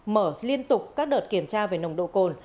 mở liên tục các đợt kiểm tra về nồng độ cồn